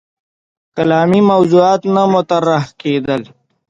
کلامي موضوعات نه مطرح کېدل.